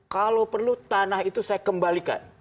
kalau perlu tanah itu saya kembalikan